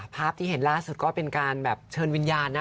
ภาพที่เห็นล่าสุดก็เป็นการแบบเชิญวิญญาณนะ